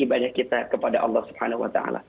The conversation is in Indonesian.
ibadah kita kepada allah swt